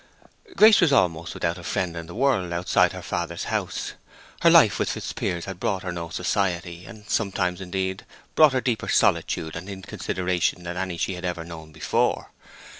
Grace was almost without a friend in the world outside her father's house; her life with Fitzpiers had brought her no society; had sometimes, indeed, brought her deeper solitude and inconsideration than any she had ever known before.